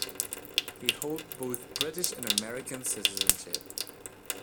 He holds both British and American citizenship.